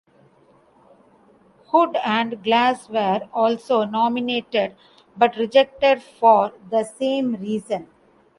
Hood and Glass were also nominated, but rejected for the same reason.